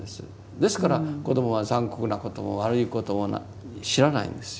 ですから子どもは残酷なことも悪いことも知らないんですよ。